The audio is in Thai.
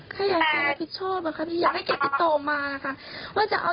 พยาหยุดจาบอ้านทั่วตัวเมืองมาอะ